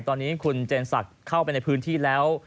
ตอนนี้คุณเจนศักดิ์เข้าไปในพื้นที่แล้ว